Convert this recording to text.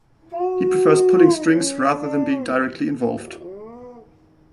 He prefers pulling strings rather than being directly involved.